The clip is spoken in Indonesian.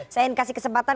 saya ingin kasih kesempatan